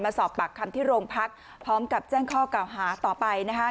สอบปากคำที่โรงพักพร้อมกับแจ้งข้อกล่าวหาต่อไปนะคะ